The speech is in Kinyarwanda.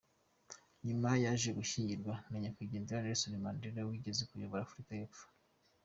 Nyuma, yaje gushyingiranwa na nyakwigendera Nelson Mandela wigeze kuyobora Afurika y’ Epfo.